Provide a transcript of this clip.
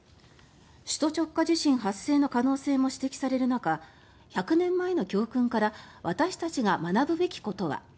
首都直下地震発生の可能性も指摘される中１００年前の教訓から私たちが学ぶべきことは。